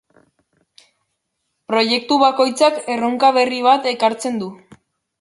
Proiektu bakoitzak erronka berri bat ekartzen du.